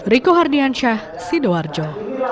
riko hardiansyah sidoarjo